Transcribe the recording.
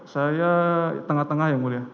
saya tengah tengah yang mulia